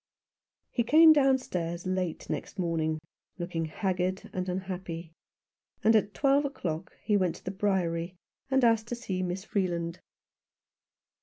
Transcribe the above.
He came downstairs late next morning, looking haggard and unhappy, and at twelve o'clock he went to the Briery and asked to see Miss Free land.